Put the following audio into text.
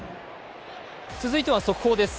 続いては速報です。